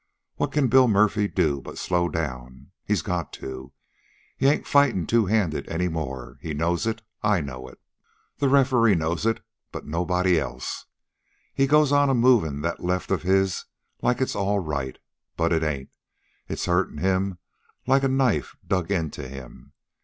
What can Billy Murphy do but slow down? He's got to. He ain't fightin' two handed any more. He knows it; I know it; The referee knows it; but nobody else. He goes on a moving that left of his like it's all right. But it ain't. It's hurtin' him like a knife dug into him.